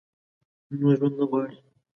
نور ژوند نه غواړي ؟